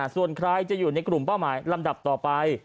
ส่วนใครจะอยู่ในกลุ่มเป้าหมายลำดับต่อไป